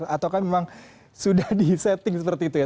atau kan memang sudah di setting seperti itu ya